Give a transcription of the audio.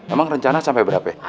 emang rencana sampai berapa ya